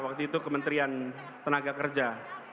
waktu itu kementerian tenaga kerja